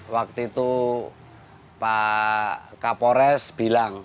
waktu itu pak kapolres bilang